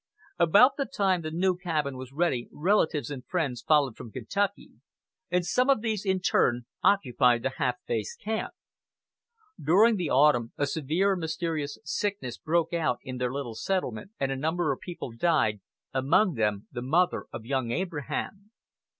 About the time the new cabin was ready relatives and friends followed from Kentucky, and some of these in turn occupied the half faced camp. During the autumn a severe and mysterious sickness broke out in their little settlement, and a number of people died, among them the mother of young Abraham.